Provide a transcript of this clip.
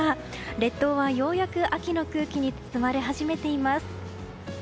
列島はようやく秋の空気に包まれ始めています。